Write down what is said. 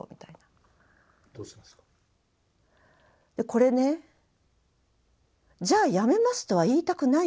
これねじゃあやめますとは言いたくないんですよね。